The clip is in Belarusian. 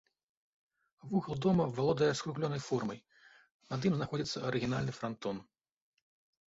Вугал дома валодае скругленай формай, над ім знаходзіцца арыгінальны франтон.